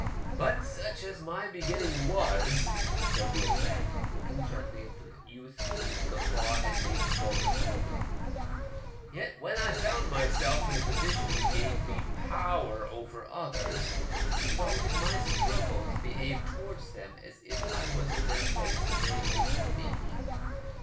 '* But, such as my beginning was," said the old man, looking gently at the youth whose guffaw had made him falter for a moment, " yet when I found myself in a position that gave me power over others, it was always my struggle to behave towards them as if I was in their place and they over me.